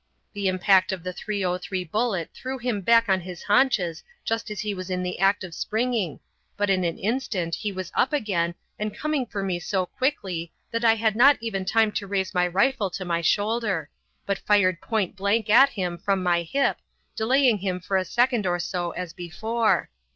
The impact of the .303 bullet threw him back on his haunches just as he was in the act of springing, but in an instant he was up again and coming for me so quickly that I had not even time to raise my rifle to my shoulder, but fired point blank at him from my hip, delaying him for a second or so as before.